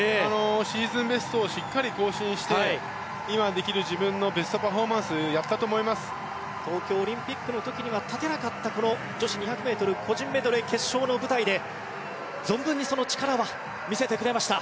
シーズンベストをしっかり更新して今できる自分のベストパフォーマンスを東京オリンピックの時には立てなかったこの女子２００ｍ個人メドレー決勝の舞台で存分にその力は見せてくれました。